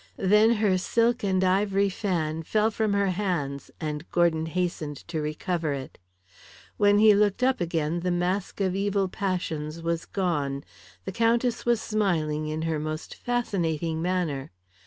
Then her silk and ivory fan fell from her hands, and Gordon hastened to recover it. When he looked up again the mask of evil passions was gone. The Countess was smiling in her most fascinating manner.